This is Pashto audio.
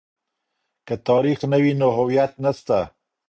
که تاريخ نه وي نو هويت نسته.